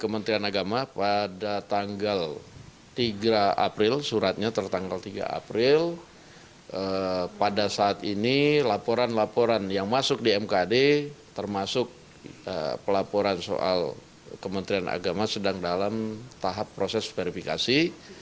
kementerian agama pada tanggal tiga april suratnya tertanggal tiga april pada saat ini laporan laporan yang masuk di mkd termasuk pelaporan soal kementerian agama sedang dalam tahap proses verifikasi